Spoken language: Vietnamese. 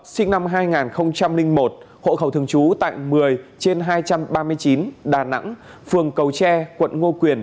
sinh năm hai nghìn một hộ khẩu thường trú tại một mươi trên hai trăm ba mươi chín đà nẵng phường cầu tre quận ngô quyền